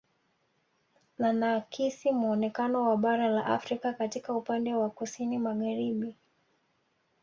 Linaakisi muonekano wa bara la Afrika katika upande wa kusini magharibi